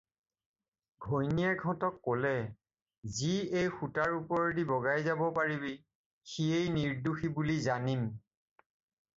"ঘৈণীয়েকহঁতক ক'লে- "যি এই সূতাৰ ওপৰেদি বগাই যাব পাৰিবি, সিয়েই নিদোৰ্ষী বুলি জানিম।"